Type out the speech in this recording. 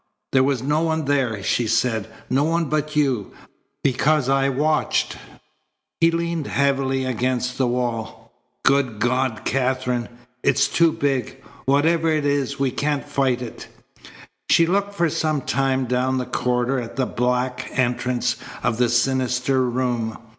"There was no one there," she said, "no one but you, because I watched." He leaned heavily against the wall. "Good God, Katherine! It's too big. Whatever it is, we can't fight it." She looked for some time down the corridor at the black entrance of the sinister room.